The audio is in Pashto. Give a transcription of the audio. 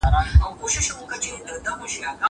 سپينکۍ مينځه.